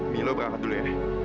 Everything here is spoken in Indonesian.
milo berangkat dulu ya